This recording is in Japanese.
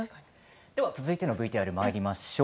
続いてのＶＴＲいきましょう。